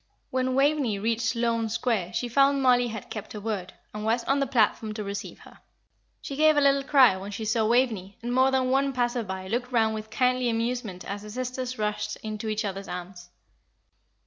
When Waveney reached Sloane Square she found Mollie had kept her word, and was on the platform to receive her. She gave a little cry when she saw Waveney, and more than one passer by looked round with kindly amusement as the sisters rushed into each other's arms.